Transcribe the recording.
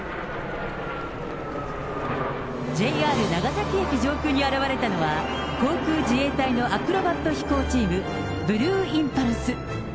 長崎駅上空に現れたのは、航空自衛隊のアクロバット飛行チーム、ブルーインパルス。